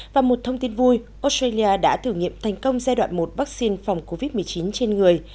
và một thông tin vui australia đã thử nghiệm thành công giai đoạn một vaccine phòng covid một mươi chín trên người